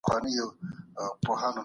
د پښتنو د سیاست ستوری و